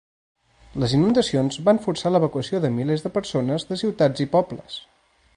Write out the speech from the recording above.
Les inundacions van forçar l'evacuació de milers de persones de ciutats i pobles.